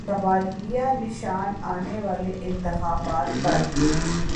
سوالیہ نشان آنے والے انتخابات پر۔